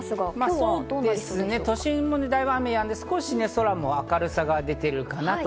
そうですね、都心は雨もやんで、空に明るさが出ているかなと。